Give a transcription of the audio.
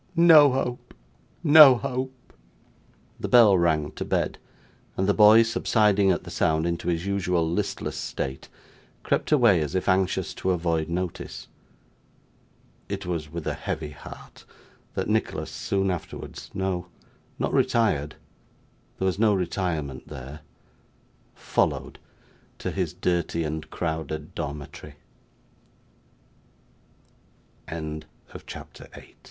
No hope, no hope!' The bell rang to bed: and the boy, subsiding at the sound into his usual listless state, crept away as if anxious to avoid notice. It was with a heavy heart that Nicholas soon afterwards no, not retired; there was no retirement there followed to his dirt